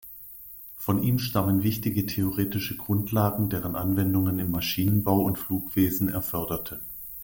Von ihm stammen wichtige theoretische Grundlagen, deren Anwendungen im Maschinenbau und Flugwesen er förderte.